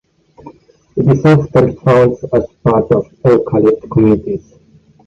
It is often found as part of "Eucalypt" communities.